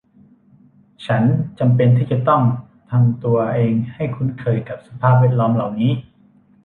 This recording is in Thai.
ฉันจำเป็นที่จะทำตัวเองให้คุ้นเคยกับสภาพแวดล้อมเหล่านี้